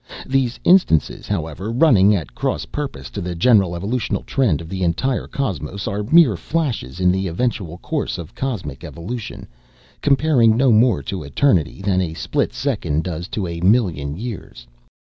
These instances, however, running at cross purposes to the general evolutional trend of the entire cosmos, are mere flashes in the eventual course of cosmic evolution, comparing no more to eternity than a split second does to a million years.